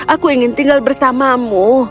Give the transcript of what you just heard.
aku ingin tinggal bersamamu